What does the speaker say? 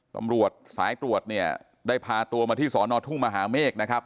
ตำรวจสายตรวจเนี่ยได้พาตัวมาที่สอนอทุ่งมหาเมฆนะครับ